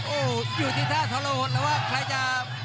โอ้โหอยู่ที่ท่าทรหดแล้วว่าใครจะ